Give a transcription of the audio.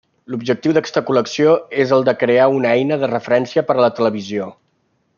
L'objectiu d'aquesta col·lecció és el de crear una eina de referència per a la televisió.